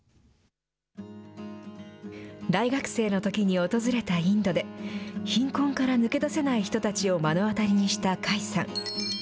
大学生のときに訪れたインドで、貧困から抜け出せない人たちを目の当たりにした甲斐さん。